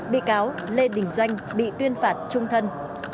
bị cáo lê đình doanh bị tuyên phạt trung thân